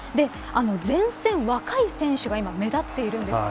前線、若い選手が目立っているんです。